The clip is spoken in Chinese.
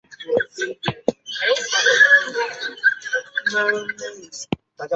一年后回国担任财政部监察员。